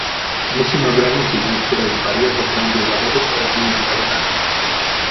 Musimy ograniczyć niektóre z barier w obrębie zawodów oraz między zawodami